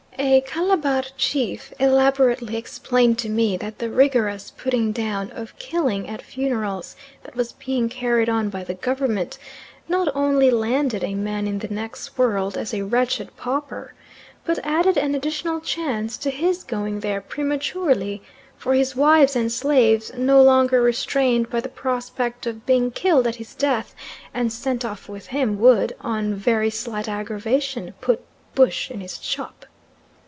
A Calabar chief elaborately explained to me that the rigorous putting down of killing at funerals that was being carried on by the Government not only landed a man in the next world as a wretched pauper, but added an additional chance to his going there prematurely, for his wives and slaves, no longer restrained by the prospect of being killed at his death and sent off with him would, on very slight aggravation, put "bush in his chop."